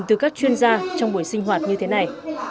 từ các chuyên gia trong buổi sinh hoạt như thế này